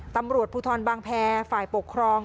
ตำรวจภูทรบางแพรฝ่ายปกครอง